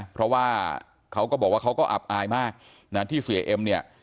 เพราะว่าเขาก็บอกว่าเขาก็อับอายมากนะที่เสียเอ็มเนี่ย